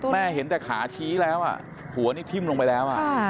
เห็นแต่ขาชี้แล้วหัวนี่ทิ้มลงไปแล้ว